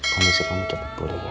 kau bisa bangun cepat pulih ya